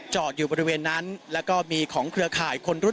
อยู่บริเวณนั้นแล้วก็มีของเครือข่ายคนรุ่น